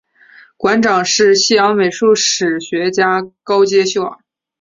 馆长是西洋美术史学家高阶秀尔。